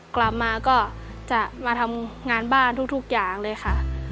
กลับมาก็จะมาทำงานบ้านทุกอย่างเลยค่ะ